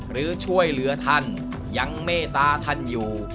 หรือช่วยเหลือท่านยังเมตตาท่านอยู่